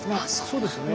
そうですね。